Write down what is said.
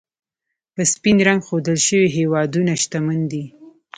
په سپین رنګ ښودل شوي هېوادونه، شتمن دي.